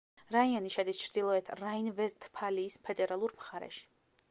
რაიონი შედის ჩრდილოეთ რაინ-ვესტფალიის ფედერალურ მხარეში.